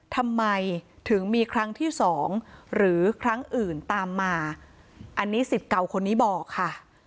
ทำไมถึงมีครั้งที่สองหรือครั้งอื่นตามมาอันนี้สิทธิ์เก่าคนนี้บอกค่ะ